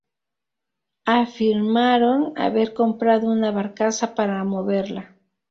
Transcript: Afirmaron haber comprado una barcaza para moverla.